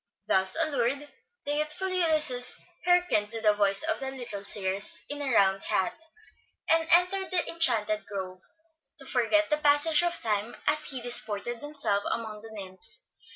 Thus allured, the youthful Ulysses hearkened to the voice of the little Circe in a round hat, and entered the enchanted grove, to forget the passage of time as he disported himself among the nymphs.